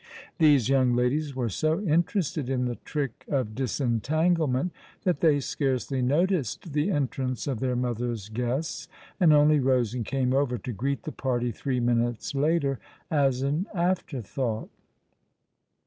These young ladies were so interested in the trick of dis entanglement that they scarcely noticed the entrance of their mother's guests, and only rose and came over to greet the party three minutes later, as an afterthought.